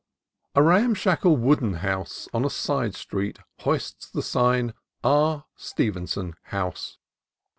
A ramshackle wooden house on a side street hoists the sign, "R. Stevenson House."